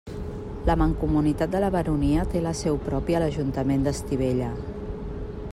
La Mancomunitat de la Baronia té la seu pròpia a l'Ajuntament d'Estivella.